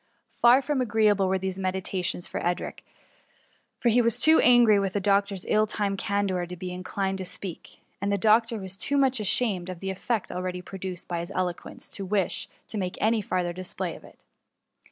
Far from agreeable were these meditations ; for Edric was too angry with the doctor's ill timed candour to be inclined to speak ; and the doc tor was too much ashamed of the effect already produced by his eloquence, to wish to make any farther display of it.